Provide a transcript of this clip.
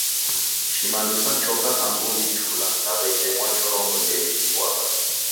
Shimandu sa choka angu vichula na w'eke mwaluchorongo nderijighwagha.